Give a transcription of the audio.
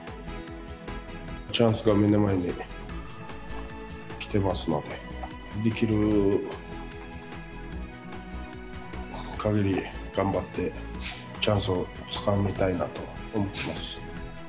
チャンスが目の前に来てますので、できるかぎり頑張って、チャンスをつかみたいなと思ってます。